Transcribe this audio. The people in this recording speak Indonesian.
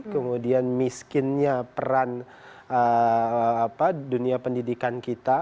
kemudian miskinnya peran dunia pendidikan kita